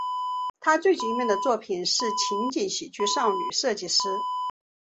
他最著名的作品是情景喜剧少女设计师。